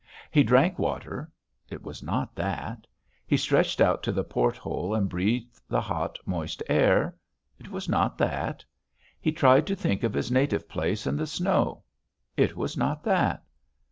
He drank water it was not that; he stretched out to the port hole and breathed the hot, moist air it was not that; he tried to think of his native place and the snow it was not that....